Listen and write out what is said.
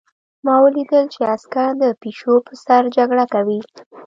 ما ولیدل چې عسکر د پیشو په سر جګړه کوي